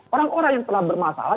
orang orang yang telah bermasalah